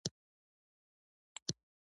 یعقوب لیث صفاري کابل ونیو